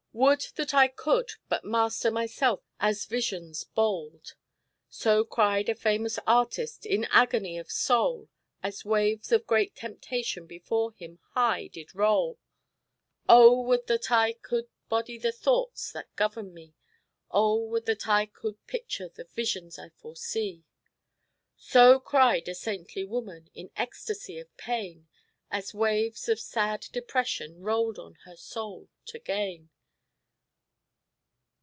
Would that I could but master myself as visions bold!" So cried a famous artist, in agony of soul, As waves of great temptation before him high did roll. "Oh, would that I could body the thoughts that govern me. Oh, would that I could picture the visions I foresee!" So cried a saintly woman, in ecstasy of pain, As waves of sad depression rolled on her soul to gain.